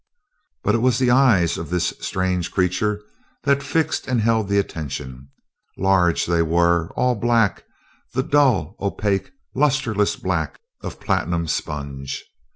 But it was the eyes of this strange creature that fixed and held the attention. Large they were, and black the dull, opaque, lusterless black of platinum sponge.